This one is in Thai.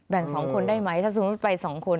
๒คนได้ไหมถ้าสมมุติไป๒คน